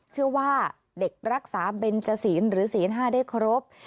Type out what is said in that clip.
เชื่อว่าเด็กรักษาเบนเจ้าศีลหรือศีลห้าเด็กครบ